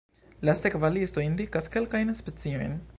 La sekva listo indikas kelkajn speciojn.